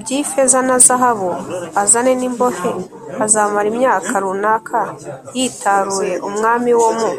by ifeza na zahabu azane n imbohe Azamara imyaka runaka yitaruye umwami wo mu